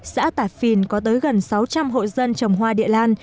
xã tả phìn có tới gần sáu trăm linh hộ dân trồng hoa địa lan